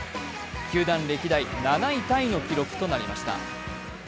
球団歴代７位タイの記録となりました。